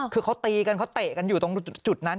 คือเขาตีกันเขาเตะกันอยู่ตรงจุดนั้น